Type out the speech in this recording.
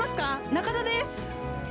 中田です。